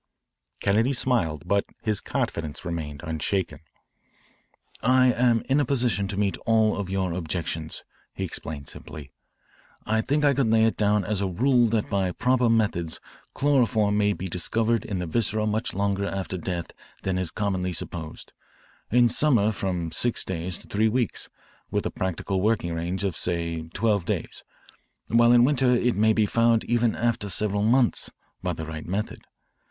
Kennedy smiled, but his confidence remained unshaken. "I am in a position to meet all of your objections," he explained simply. "I think I could lay it down as a rule that by proper methods chloroform may be discovered in the viscera much longer after death than is commonly supposed in summer from six days to three weeks, with a practical working range of say twelve days, while in winter it may be found even after several months by the right method.